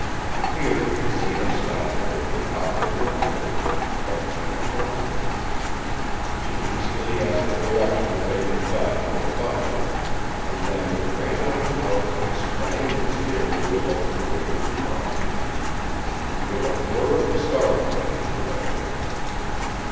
Here Zita stopped her and offered to accompany her, but she declined. She hastily asked the direction of Baker's dock from the butler, and then ran out of the house and sprang to the steering wheel of her waiting car. With a whir of the starter she was away.